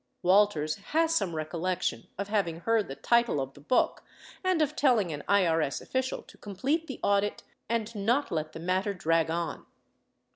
Walters has some recollection of having heard the title of the book and of telling an IRS official to complete the audit and not let the matter drag on.